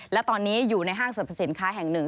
และตอนนี้อยู่ในห้างสรรพสินค้าแห่งหนึ่ง